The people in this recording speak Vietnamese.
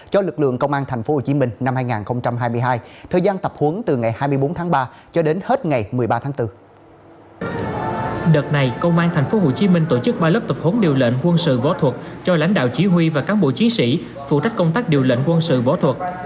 cho lãnh đạo chỉ huy và các bộ chí sĩ phụ trách công tác điều lệnh quân sự võ thuật